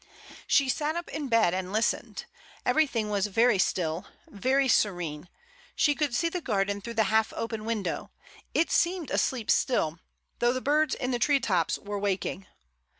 She sat up in bed and listened; every thing was very still, very serene; she could see the garden through the half open window — it seemed asleep still, though the birds in the tree tops were waking.